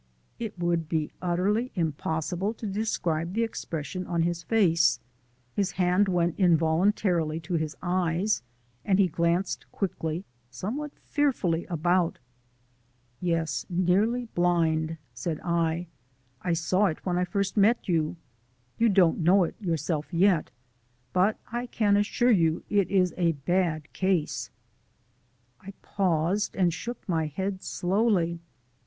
It would be utterly impossible to describe the expression on his face. His hand went involuntarily to his eyes, and he glanced quickly, somewhat fearfully, about. "Yes, nearly blind," said I. "I saw it when I first met you. You don't know it yourself yet, but I can assure you it is a bad case." I paused, and shook my head slowly.